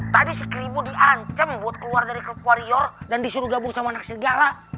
tadi seribu diancam buat keluar dari warrior dan disuruh gabung sama anak serigala